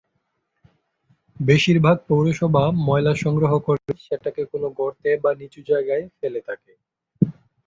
বেশিরভাগ পৌরসভা ময়লা সংগ্রহ করে সেটাকে কোন গর্তে বা নিচু জায়গায় ফেলে থাকে।